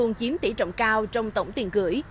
không chiếm tỷ trọng cao trong tổng tiền gửi